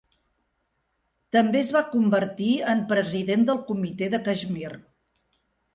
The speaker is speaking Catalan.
També es va convertir en president del Comitè de Caixmir.